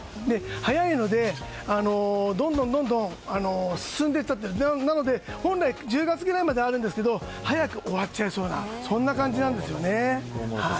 早いのでどんどん進んでいっちゃってなので本来、１０月くらいまであるんですけど早く終わっちゃいそうな感じなんですよね。